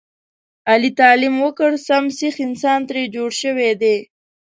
علي تعلیم وکړ سم سیخ انسان ترې جوړ شوی دی.